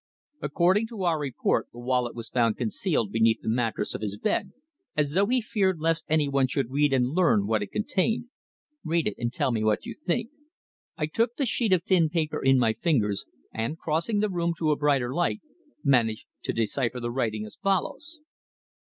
According to our report the wallet was found concealed beneath the mattress of his bed, as though he feared lest anyone should read and learn what it contained. Read it, and tell me what you think." I took the sheet of thin paper in my fingers, and, crossing the room to a brighter light, managed to decipher the writing as follows